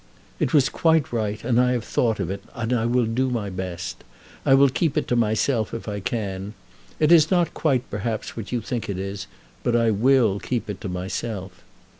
"It was quite right, and I have thought of it, and I will do my best. I will keep it to myself if I can. It is not quite, perhaps, what you think it is, but I will keep it to myself."